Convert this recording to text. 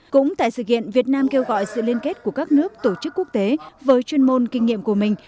cũng tại sự kiện việt nam kêu gọi sự liên kết của các nước tổ chức quốc tế với chuyên môn kinh nghiệm của mình